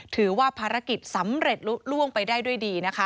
ถือว่าภารกิจสำเร็จลุ้งไปได้ด้วยดีนะคะ